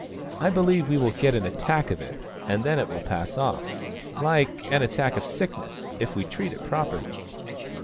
I believe we will get an attack of it, and then it will pass off, like an attack of sickness, if we treat it properly."